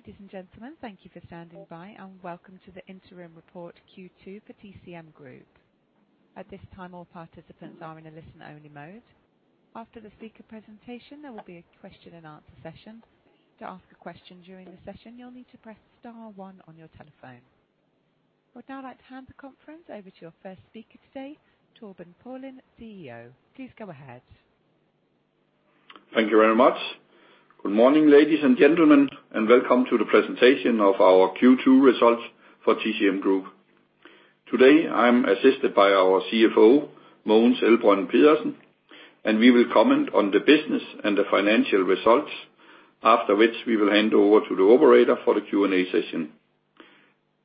Ladies and gentlemen, thank you for standing by, and welcome to the interim report Q2 for TCM Group. At this time, all participants are in a listen-only mode. After the speaker presentation, there will be a question and answer session. To ask a question during the session, you'll need to press star one on your telephone. With that I'd hand the conference, over to your first speaker today, Torben Paulin, CEO. Please go ahead. Thank you very much. Good morning, ladies and gentlemen, and welcome to the presentation of our Q2 results for TCM Group. Today, I'm assisted by our CFO, Mogens Elbrønd Pedersen, and we will comment on the business and the financial results, after which we will hand over to the operator for the Q&A session.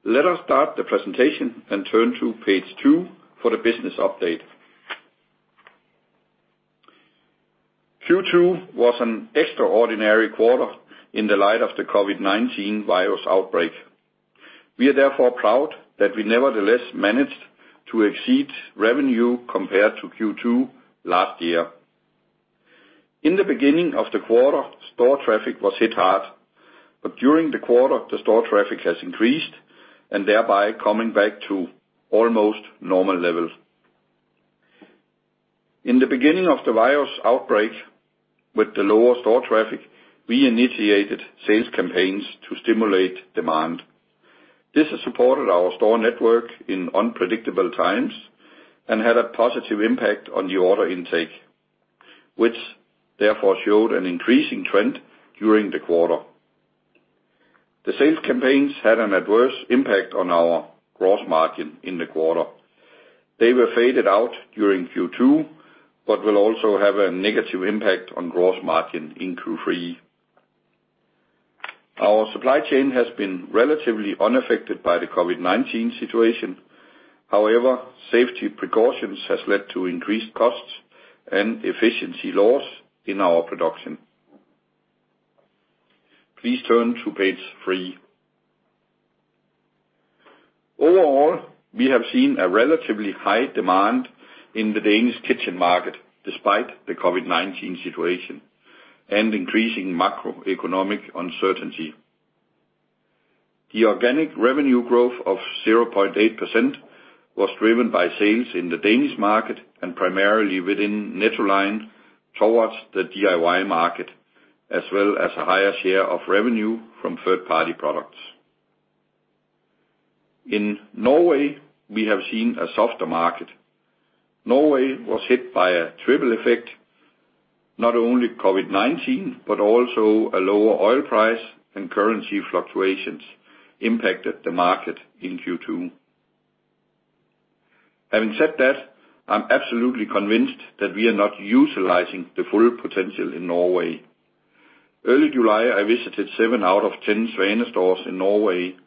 Let us start the presentation and turn to page two for the business update. Q2 was an extraordinary quarter in the light of the COVID-19 virus outbreak. We are therefore proud that we nevertheless managed to exceed revenue compared to Q2 last year. In the beginning of the quarter, store traffic was hit hard, but during the quarter, the store traffic has increased and thereby coming back to almost normal levels. In the beginning of the virus outbreak, with the lower store traffic, we initiated sales campaigns to stimulate demand. This has supported our store network in unpredictable times and had a positive impact on the order intake, which therefore showed an increasing trend during the quarter. The sales campaigns had an adverse impact on our gross margin in the quarter. They were phased out during Q2, will also have a negative impact on gross margin in Q3. Our supply chain has been relatively unaffected by the COVID-19 situation. Safety precautions have led to increased costs and efficiency loss in our production. Please turn to page three. We have seen a relatively high demand in the Danish kitchen market despite the COVID-19 situation and increasing macroeconomic uncertainty. The organic revenue growth of 0.8% was driven by sales in the Danish market and primarily within Nettoline towards the DIY market, as well as a higher share of revenue from third-party products. In Norway, we have seen a softer market. Norway was hit by a triple effect, not only COVID-19, but also a lower oil price and currency fluctuations impacted the market in Q2. Having said that, I'm absolutely convinced that we are not utilizing the full potential in Norway. Early July, I visited seven out of 10 Svane stores in Norway,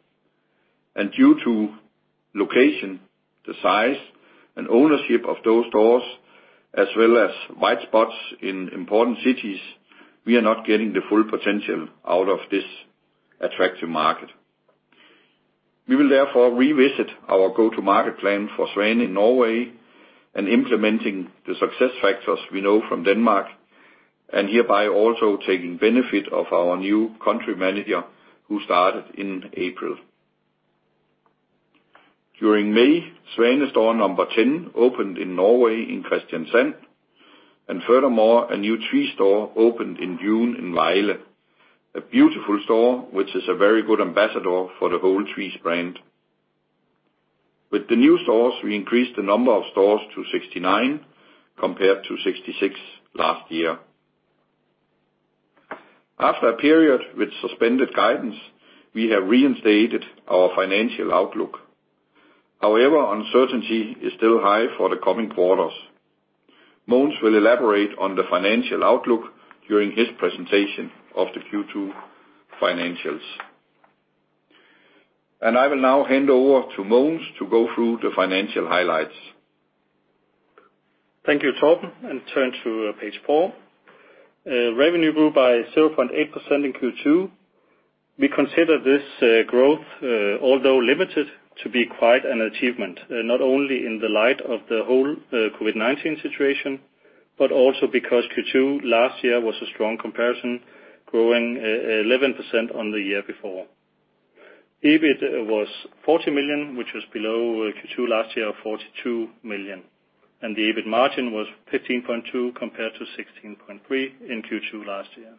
and due to location, the size, and ownership of those stores, as well as white spots in important cities, we are not getting the full potential out of this attractive market. We will therefore revisit our go-to-market plan for Svane in Norway and implementing the success factors we know from Denmark, and hereby also taking benefit of our new country manager who started in April. During May, Svane store number 10 opened in Norway in Kristiansand, and furthermore, a new Tvis Køkken store opened in June in Vejle, a beautiful store which is a very good ambassador for the whole Tvis Køkken brand. With the new stores, we increased the number of stores to 69 compared to 66 last year. After a period with suspended guidance, we have reinstated our financial outlook. However, uncertainty is still high for the coming quarters. Mogens will elaborate on the financial outlook during his presentation of the Q2 financials. I will now hand over to Mogens to go through the financial highlights. Thank you, Torben. Turn to page four. Revenue grew by 0.8% in Q2. We consider this growth, although limited, to be quite an achievement, not only in the light of the whole COVID-19 situation, but also because Q2 last year was a strong comparison, growing 11% on the year before. EBIT was 40 million, which was below Q2 last year of 42 million, and the EBIT margin was 15.2% compared to 16.3% in Q2 last year.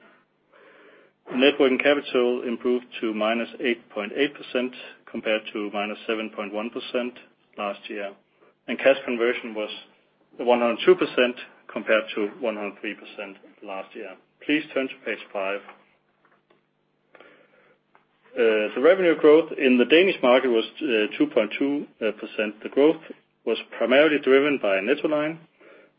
Net working capital improved to -8.8% compared to -7.1% last year, and cash conversion was 102% compared to 103% last year. Please turn to page five. The revenue growth in the Danish market was 2.2%. The growth was primarily driven by Nettoline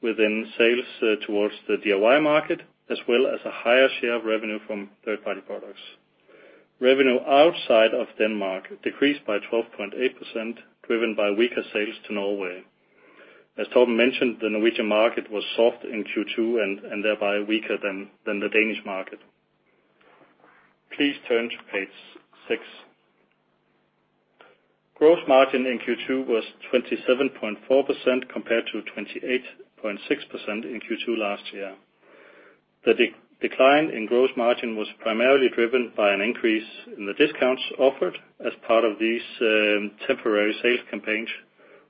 within sales towards the DIY market, as well as a higher share of revenue from third-party products. Revenue outside of Denmark decreased by 12.8%, driven by weaker sales to Norway. As Torben mentioned, the Norwegian market was soft in Q2 and thereby weaker than the Danish market. Please turn to page six. Gross margin in Q2 was 27.4%, compared to 28.6% in Q2 last year. The decline in gross margin was primarily driven by an increase in the discounts offered as part of these temporary sales campaigns,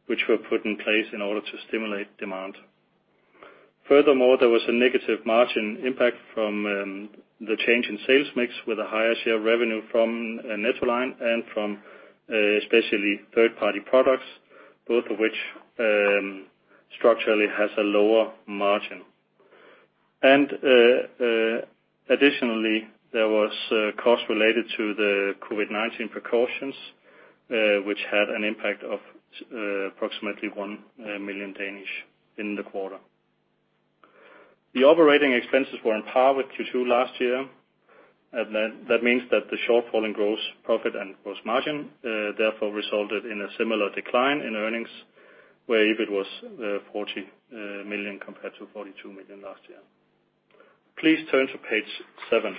which were put in place in order to stimulate demand. Furthermore, there was a negative margin impact from the change in sales mix with a higher share of revenue from Nettoline and from especially third-party products, both of which structurally has a lower margin. Additionally, there was cost related to the COVID-19 precautions, which had an impact of approximately 1 million in the quarter. The operating expenses were on par with Q2 last year. That means that the shortfall in gross profit and gross margin therefore resulted in a similar decline in earnings, where EBIT was 40 million compared to 42 million last year. Please turn to page seven.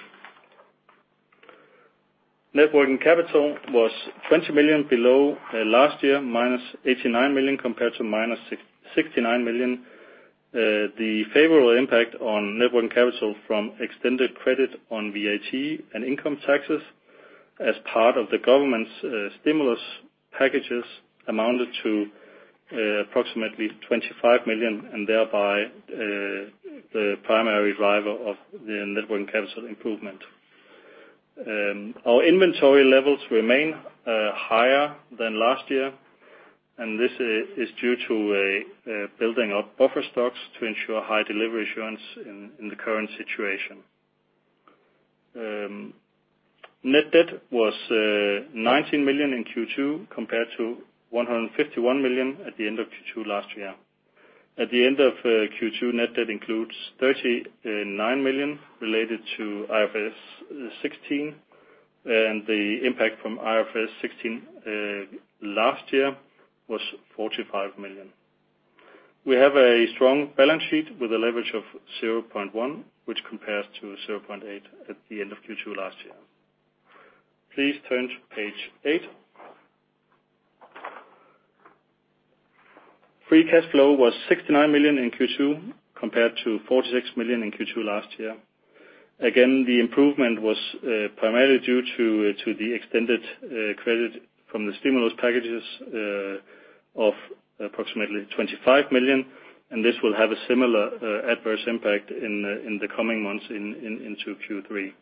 Working capital was 20 million below last year, -89 million compared to -69 million. The favorable impact on net working capital from extended credit on VAT and income taxes as part of the government's stimulus packages amounted to approximately 25 million, and thereby, the primary driver of the net working capital improvement. Our inventory levels remain higher than last year, and this is due to building up buffer stocks to ensure high delivery assurance in the current situation. Net debt was 19 million in Q2 compared to 151 million at the end of Q2 last year. At the end of Q2, net debt includes 39 million related to IFRS 16, and the impact from IFRS 16 last year was 45 million. We have a strong balance sheet with a leverage of 0.1, which compares to 0.8 at the end of Q2 last year. Please turn to page eight. Free cash flow was 69 million in Q2 compared to 46 million in Q2 last year. Again, the improvement was primarily due to the extended credit from the stimulus packages of approximately 25 million, and this will have a similar adverse impact in the coming months into Q3.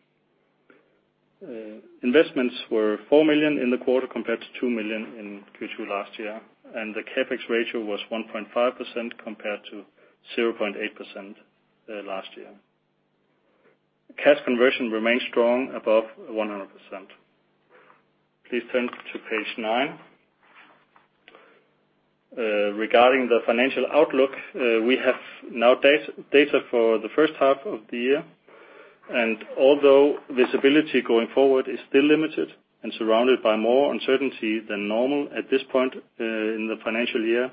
Investments were 4 million in the quarter compared to 2 million in Q2 last year, and the CapEx ratio was 1.5% compared to 0.8% last year. Cash conversion remains strong above 100%. Please turn to page nine. Regarding the financial outlook, we have now data for the first half of the year, although visibility going forward is still limited and surrounded by more uncertainty than normal at this point in the financial year,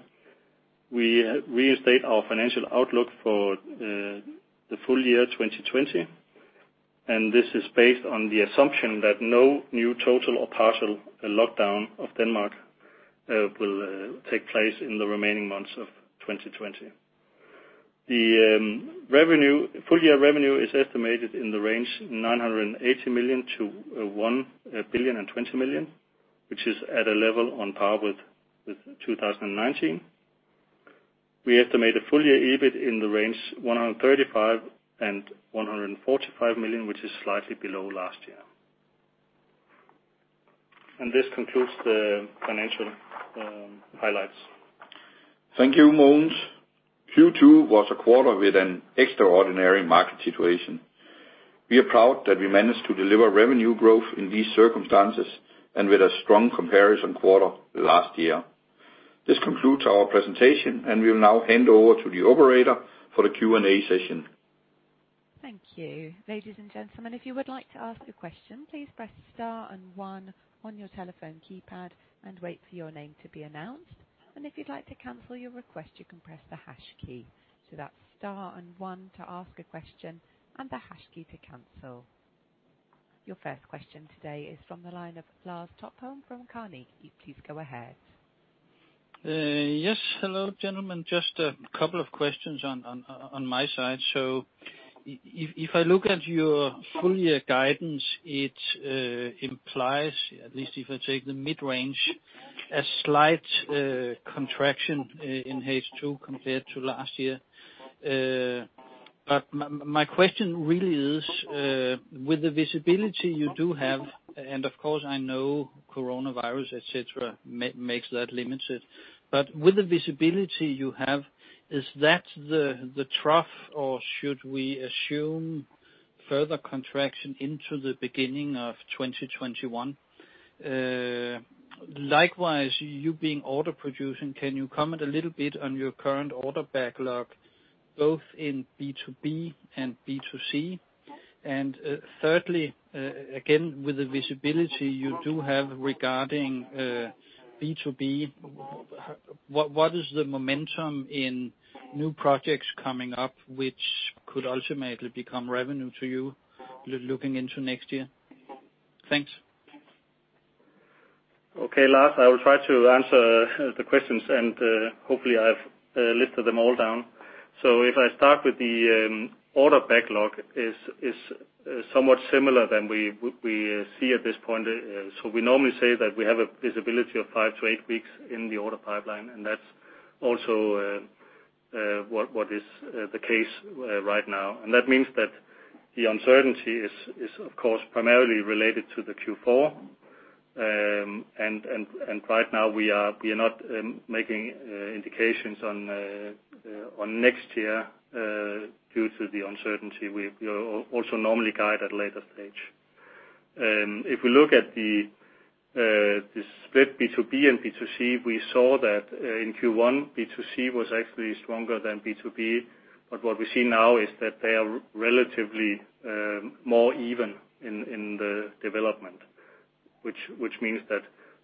we reinstate our financial outlook for the full year 2020. This is based on the assumption that no new total or partial lockdown of Denmark will take place in the remaining months of 2020. The full year revenue is estimated in the range 980 million-1,020 million, which is at a level on par with 2019. We estimate a full year EBIT in the range 135 million-145 million, which is slightly below last year. This concludes the financial highlights. Thank you, Mogens. Q2 was a quarter with an extraordinary market situation. We are proud that we managed to deliver revenue growth in these circumstances and with a strong comparison quarter last year. This concludes our presentation, and we will now hand over to the operator for the Q&A session. Thank you. Ladies and gentlemen, if you would like to ask a question, please press star and one on your telephone keypad and wait for your name to be announced. If you'd like to cancel your request, you can press the hash key. That's star and one to ask a question, and the hash key to cancel. Your first question today is from the line of Lars Topholm from Carnegie. Please go ahead. Yes. Hello, gentlemen. Just a couple of questions on my side. If I look at your full year guidance, it implies, at least if I take the mid-range, a slight contraction in H2 compared to last year. My question really is, with the visibility you do have, and of course I know coronavirus, et cetera, makes that limited, but with the visibility you have, is that the trough, or should we assume further contraction into the beginning of 2021? Likewise, you being order producer, can you comment a little bit on your current order backlog, both in B2B and B2C? Thirdly, again, with the visibility you do have regarding B2B, what is the momentum in new projects coming up which could ultimately become revenue to you looking into next year? Thanks. Lars, I will try to answer the questions, and hopefully, I've listed them all down. If I start with the order backlog is somewhat similar than we see at this point. We normally say that we have a visibility of five to eight weeks in the order pipeline, and that's also what is the case right now. That means that the uncertainty is of course, primarily related to the Q4. Right now, we are not making indications on next year due to the uncertainty. We also normally guide at later stage. If we look at the split B2B and B2C, we saw that in Q1, B2C was actually stronger than B2B. What we see now is that they are relatively more even in the development, which means that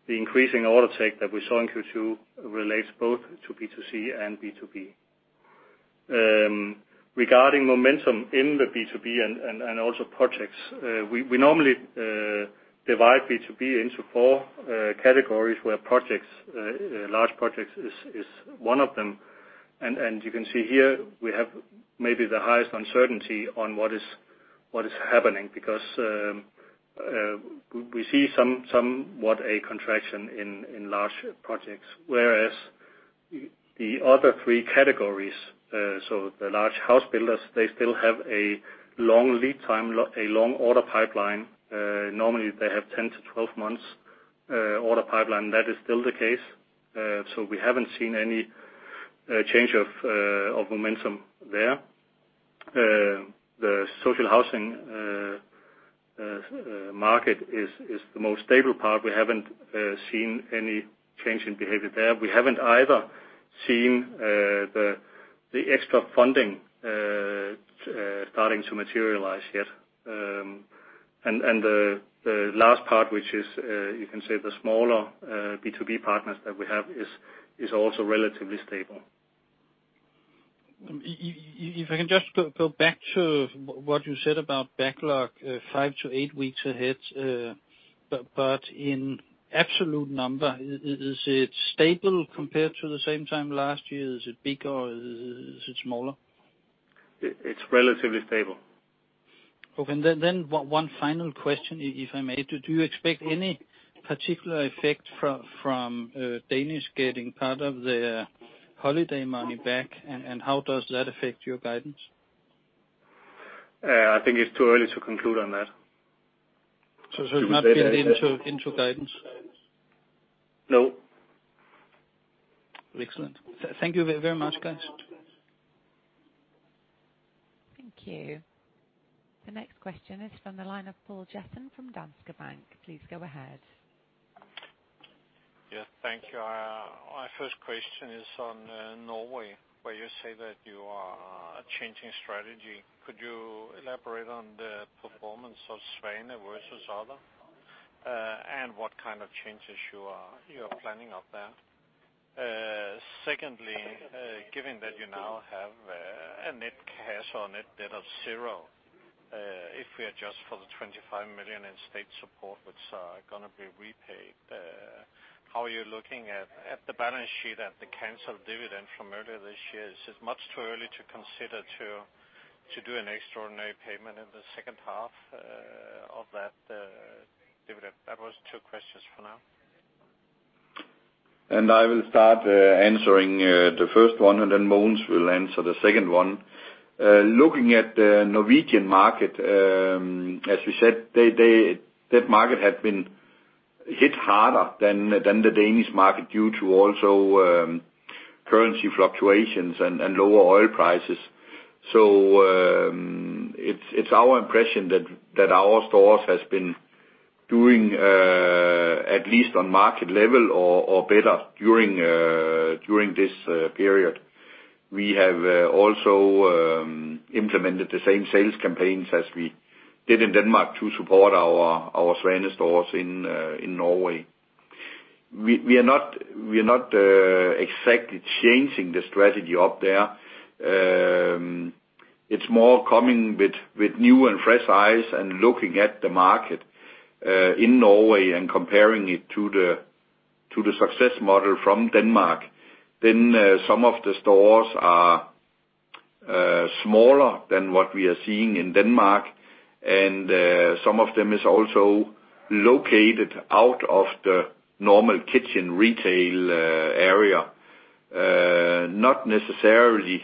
the increasing order take that we saw in Q2 relates both to B2C and B2B. Regarding momentum in the B2B and also projects, we normally divide B2B into four categories, where large projects is one of them. You can see here we have maybe the highest uncertainty on what is happening because we see somewhat a contraction in large projects, whereas the other three categories, so the large house builders, they still have a long lead time, a long order pipeline. Normally they have 10-12 months order pipeline. That is still the case. We haven't seen any change of momentum there. The social housing market is the most stable part. We haven't seen any change in behavior there. We haven't either seen the extra funding starting to materialize yet. The last part which is, you can say the smaller B2B partners that we have is also relatively stable. If I can just go back to what you said about backlog five to eight weeks ahead. In absolute number, is it stable compared to the same time last year? Is it bigger or is it smaller? It's relatively stable. Okay. Then, one final question, if I may. Do you expect any particular effect from Danish getting part of their holiday money back, and how does that affect your guidance? I think it's too early to conclude on that. It's not built into guidance? No. Excellent. Thank you very much, guys. Thank you. The next question is from the line of Poul Jessen from Danske Bank. Please go ahead. Yes, thank you. My first question is on Norway, where you say that you are changing strategy. Could you elaborate on the performance of Svane versus other and what kind of changes you are planning up there? Secondly, given that you now have a net cash or net debt of zero, if we adjust for the 25 million in state support, which are going to be repaid, how are you looking at the balance sheet and the canceled dividend from earlier this year? Is it much too early to consider to do an extraordinary payment in the second half of that dividend? That was two questions for now. I will start answering the first one, then Mogens will answer the second one. Looking at the Norwegian market, as we said, that market had been hit harder than the Danish market due to also currency fluctuations and lower oil prices. It's our impression that our stores has been doing at least on market level or better during this period. We have also implemented the same sales campaigns as we did in Denmark to support our Svane stores in Norway. We are not exactly changing the strategy up there. It's more coming with new and fresh eyes and looking at the market in Norway and comparing it to the success model from Denmark. Some of the stores are smaller than what we are seeing in Denmark, and some of them is also located out of the normal kitchen retail area. Not necessarily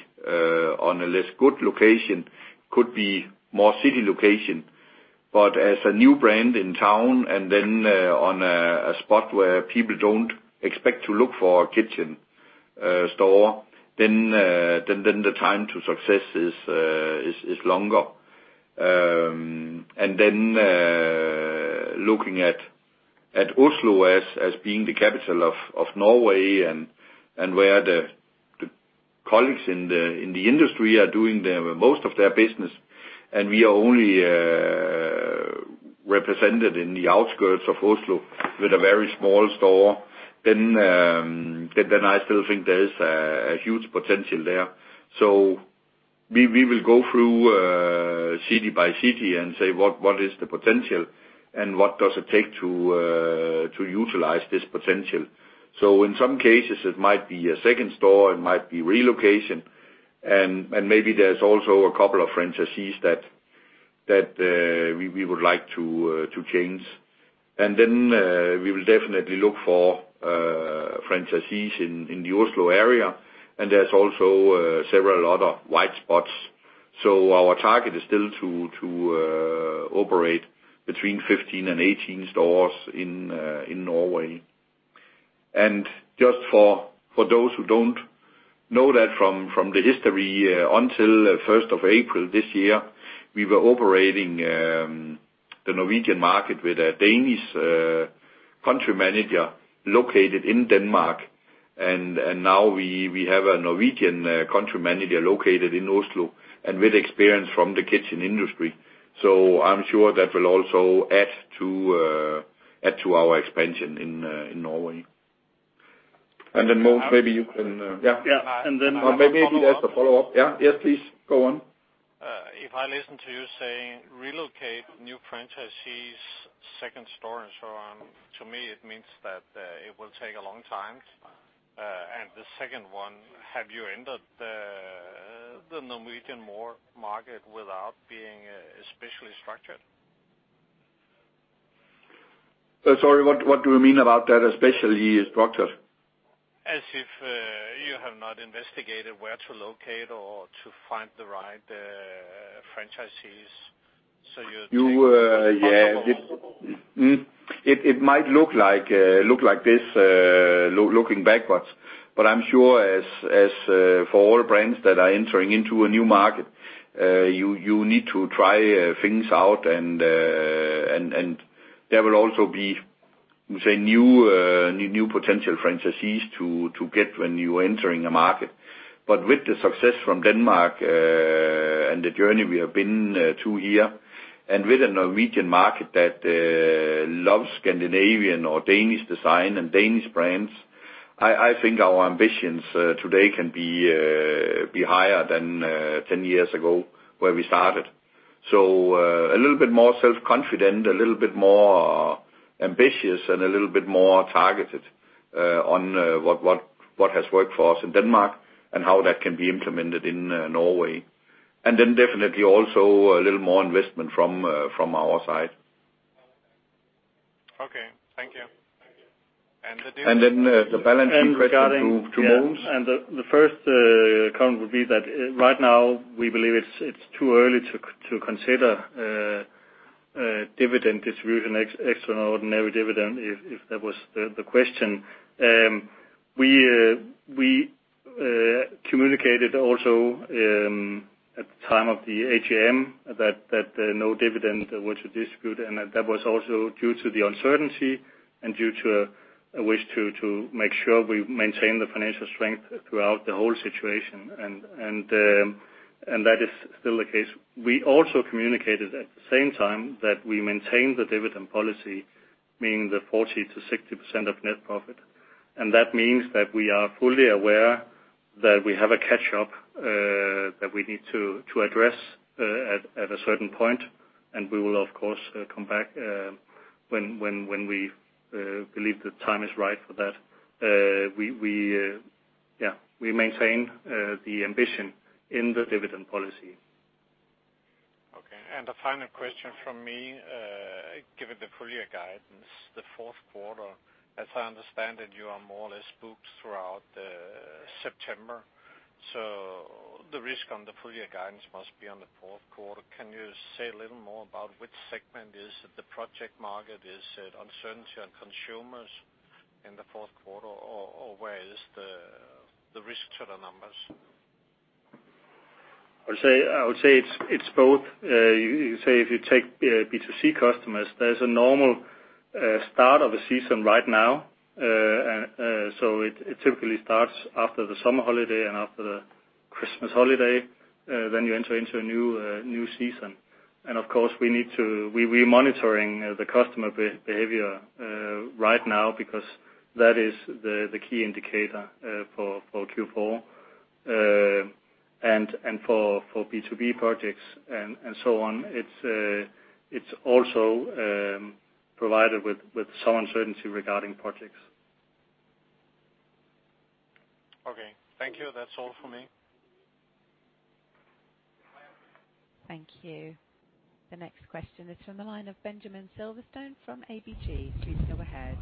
on a less good location, could be more city location, but as a new brand in town and then on a spot where people don't expect to look for a kitchen store, then the time to success is longer. Looking at Oslo as being the capital of Norway and where the colleagues in the industry are doing most of their business, and we are only. Represented in the outskirts of Oslo with a very small store, then I still think there is a huge potential there. We will go through city by city and say, what is the potential and what does it take to utilize this potential? In some cases, it might be a second store, it might be relocation, and maybe there's also a couple of franchisees that we would like to change. We will definitely look for franchisees in the Oslo area, and there's also several other white spots. Our target is still to operate between 15 and 18 stores in Norway. Just for those who don't know that from the history, until 1st of April this year, we were operating the Norwegian market with a Danish country manager located in Denmark. Now we have a Norwegian country manager located in Oslo and with experience from the kitchen industry. I'm sure that will also add to our expansion in Norway. Then Mogens, maybe you can. Yeah. Maybe there's a follow-up. Yeah. Yes, please. Go on. If I listen to you saying relocate new franchisees, second store, and so on, to me it means that it will take a long time. The second one, have you entered the Norwegian market without being especially structured? Sorry, what do you mean about that, especially structured? As if you have not investigated where to locate or to find the right franchisees. You Yeah. It might look like this looking backwards. I'm sure as for all brands that are entering into a new market, you need to try things out and there will also be, say, new potential franchisees to get when you're entering a market. With the success from Denmark and the journey we have been through here, and with a Norwegian market that loves Scandinavian or Danish design and Danish brands, I think our ambitions today can be higher than 10 years ago where we started, a little bit more self-confident, a little bit more ambitious, and a little bit more targeted on what has worked for us in Denmark and how that can be implemented in Norway, definitely also a little more investment from our side. Okay. Thank you. The balancing question to Mogens. The first comment would be that right now we believe it's too early to consider dividend distribution, extraordinary dividend, if that was the question. We communicated also at the time of the AGM that no dividend was distributed, and that was also due to the uncertainty and due to a wish to make sure we maintain the financial strength throughout the whole situation, and that is still the case. We also communicated at the same time that we maintain the dividend policy, meaning the 40%-60% of net profit. That means that we are fully aware that we have a catch-up that we need to address at a certain point. We will, of course, come back when we believe the time is right for that. We maintain the ambition in the dividend policy. Okay. The final question from me, given the full year guidance, the fourth quarter, as I understand it, you are more or less booked throughout September. The risk on the full year guidance must be on the fourth quarter. Can you say a little more about which segment is the project market? Is it uncertainty on consumers in the fourth quarter, or where is the risk to the numbers? I would say it's both. You could say if you take B2C customers, there's a normal start of a season right now. It typically starts after the summer holiday and after the Christmas holiday, then you enter into a new season. Of course, we're monitoring the customer behavior right now because that is the key indicator for Q4. For B2B projects and so on, it's also provided with some uncertainty regarding projects. Okay. Thank you. That's all from me. Thank you. The next question is from the line of Benjamin Silverstone from ABG. Please go ahead.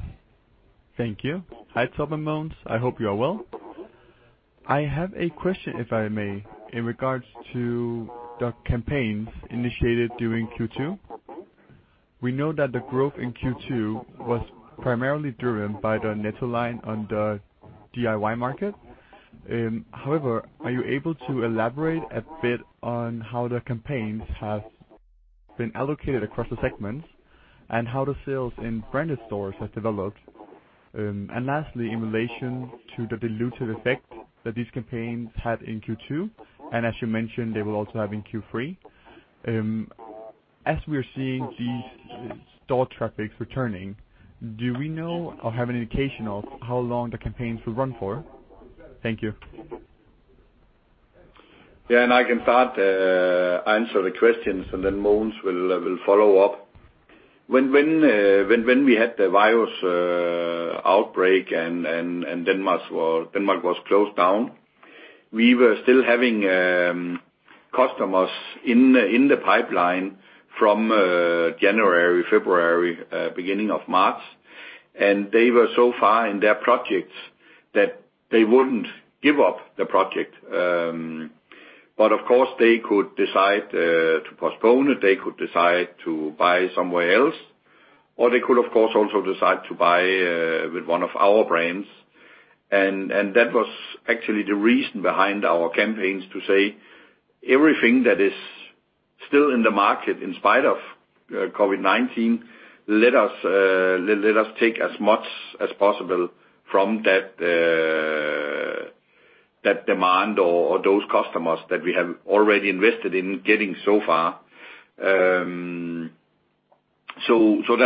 Thank you. Hi, Torben, Mogens. I hope you are well. I have a question, if I may, in regards to the campaigns initiated during Q2. We know that the growth in Q2 was primarily driven by Nettoline on the DIY market. Are you able to elaborate a bit on how the campaigns have been allocated across the segments and how the sales in branded stores have developed? Lastly, in relation to the diluted effect that these campaigns had in Q2, and as you mentioned, they will also have in Q3. As we are seeing these store traffics returning, do we know or have an indication of how long the campaigns will run for? Thank you. Yeah, I can start answer the questions and then Mogens will follow up. When we had the virus outbreak and Denmark was closed down, we were still having customers in the pipeline from January, February, beginning of March. They were so far in their projects that they wouldn't give up the project. Of course they could decide to postpone it. They could decide to buy somewhere else, or they could, of course, also decide to buy with one of our brands. That was actually the reason behind our campaigns to say everything that is still in the market, in spite of COVID-19, let us take as much as possible from that demand or those customers that we have already invested in getting so far. That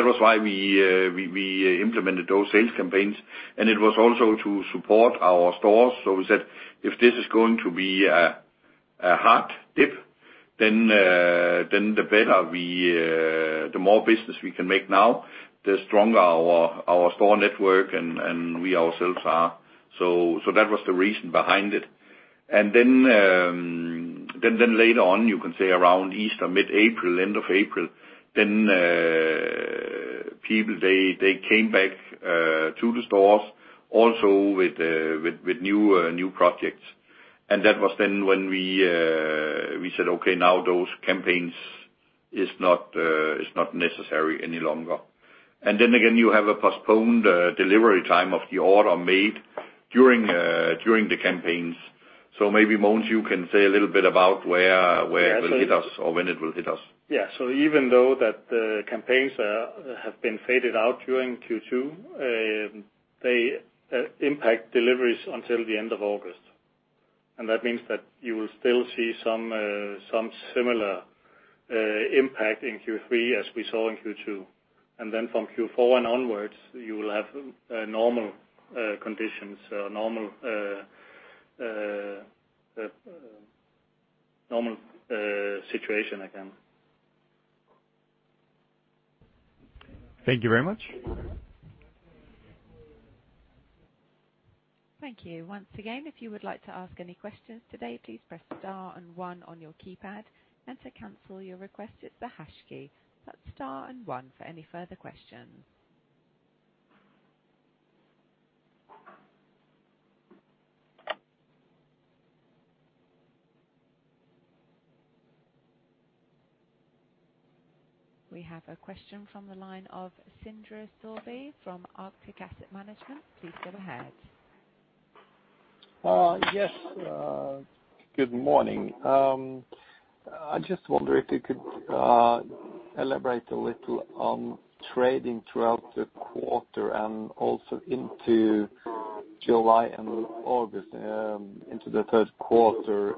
was why we implemented those sales campaigns, and it was also to support our stores. We said, if this is going to be a hard dip, then the more business we can make now, the stronger our store network and we ourselves are. That was the reason behind it. Later on, you can say around Easter, mid-April, end of April, then people, they came back to the stores also with new projects. That was then when we said, okay, now those campaigns is not necessary any longer. Again, you have a postponed delivery time of the order made during the campaigns. Maybe, Mogens, you can say a little bit about where it will hit us or when it will hit us. Even though that the campaigns have been faded out during Q2, they impact deliveries until the end of August. That means that you will still see some similar impact in Q3 as we saw in Q2. From Q4 and onwards, you will have normal conditions, normal situation again. Thank you very much. Thank you. Once again, if you would like to ask any questions today, please press star and one on your keypad. To cancel your request, it's the hash key. That's star and one for any further questions. We have a question from the line of Sindre Sørbye from Arctic Asset Management. Please go ahead. Yes. Good morning. I just wonder if you could elaborate a little on trading throughout the quarter and also into July and August, into the third quarter.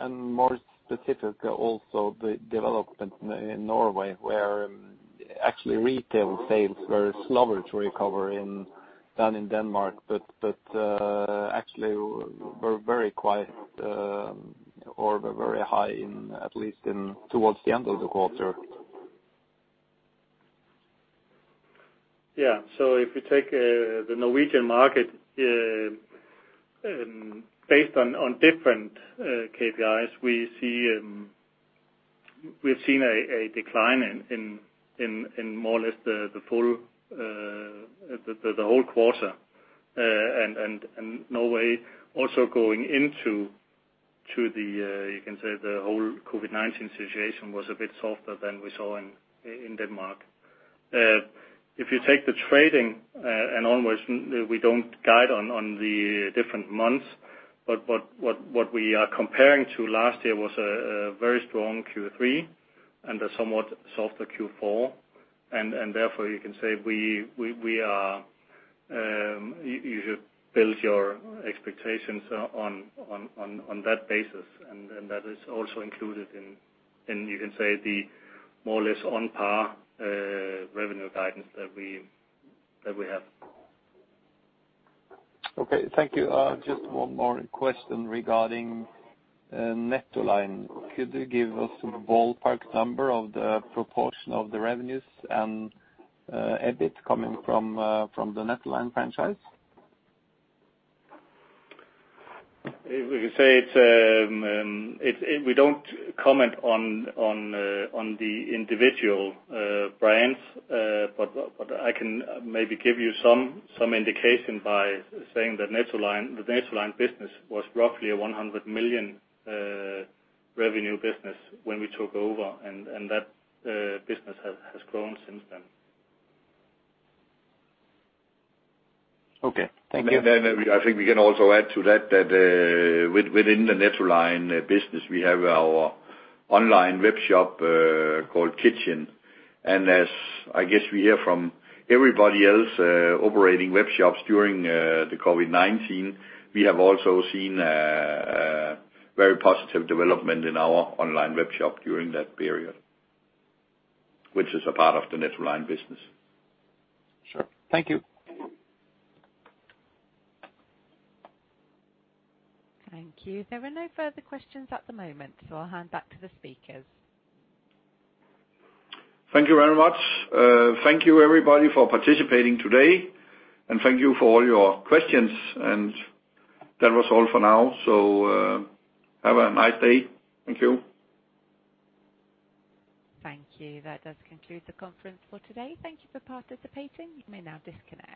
More specific, also the development in Norway, where actually retail sales were slower to recover than in Denmark, but actually were very quiet or were very high in at least towards the end of the quarter. If you take the Norwegian market based on different KPIs, we've seen a decline in more or less the whole quarter. Norway also going into the, you can say the whole COVID-19 situation was a bit softer than we saw in Denmark. If you take the trading and onwards, we don't guide on the different months, but what we are comparing to last year was a very strong Q3 and a somewhat softer Q4. Therefore you can say you should build your expectations on that basis. That is also included in, you can say, the more or less on par revenue guidance that we have. Okay. Thank you. Just one more question regarding Nettoline. Could you give us a ballpark number of the proportion of the revenues and EBIT coming from the Nettoline franchise? We don't comment on the individual brands, but I can maybe give you some indication by saying that the Nettoline business was roughly 100 million revenue business when we took over, and that business has grown since then. Okay. Thank you. I think we can also add to that within the Nettoline business, we have our online web shop, called Kitchn.dk. As I guess we hear from everybody else operating web shops during the COVID-19, we have also seen a very positive development in our online web shop during that period, which is a part of the Nettoline business. Sure. Thank you. Thank you. There are no further questions at the moment, so I'll hand back to the speakers. Thank you very much. Thank you everybody for participating today, and thank you for all your questions, and that was all for now. Have a nice day. Thank you. Thank you. That does conclude the conference for today. Thank you for participating. You may now disconnect.